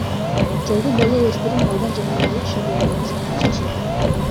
Жолду бойлой өспүрүм балдар жарнамалык шаблондорду сатып иштешет.